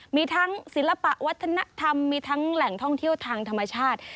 มีทั้งศิลปะวัฒนธรรมมีทั้งแหล่งท่องเที่ยวทางธรรมชาติ